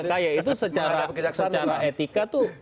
dki itu secara etika tuh